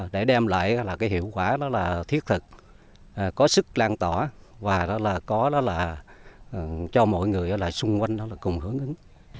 để đem lại hiệu quả thiết thực có sức lan tỏa và cho mọi người xung quanh cùng hướng ứng